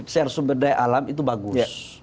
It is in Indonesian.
secara sumber daya alam itu bagus